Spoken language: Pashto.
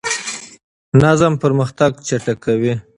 نظم پرمختګ چټکوي.